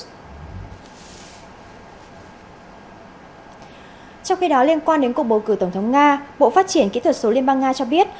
trong khi đó liên quan đến cuộc bầu cử tổng thống nga bộ phát triển kỹ thuật số liên bang nga cho biết